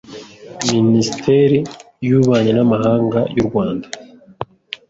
Minisiteri y’Ububanyi n’Amahanga y’u Rwanda